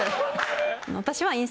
私は。